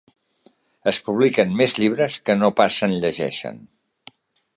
Es publiquen més llibres que no pas se'n llegeixen.